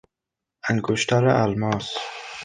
انگشتر الماس